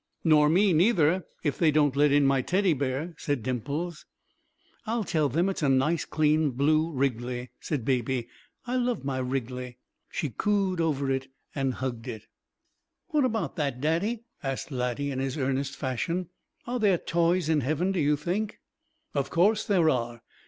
"Nor me, neither, if they don't let in my Teddy bear," said Dimples. "I'll tell them it is a nice, clean, blue Wriggly," said Baby. "I love my Wriggly." She cooed over it and hugged it. "What about that, Daddy?" asked Laddie, in his earnest fashion. "Are there toys in heaven, do you think?" "Of course there are.